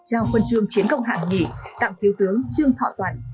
trao khuân trương chiến công hạng nghỉ tặng thiếu tướng trương thọ toàn